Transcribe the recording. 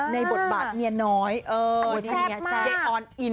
แทบมาก